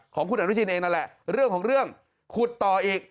ของคุณอนุชินเองนั่นแหละเรื่องของเรื่องขุดต่ออีก